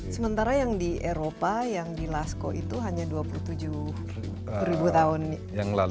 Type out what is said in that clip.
sementara yang di eropa yang di laskow itu hanya dua puluh tujuh ribu tahun yang lalu